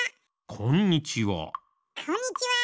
こんにちは。